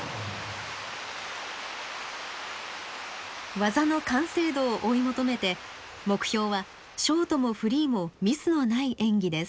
技の完成度を追い求めて目標はショートもフリーもミスのない演技です。